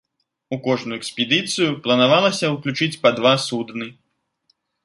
У кожную экспедыцыю планавалася ўключыць па два судны.